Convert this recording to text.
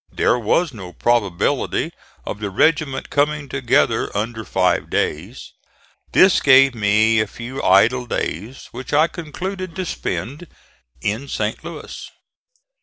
There was no probability of the regiment coming together under five days. This gave me a few idle days which I concluded to spend in St. Louis.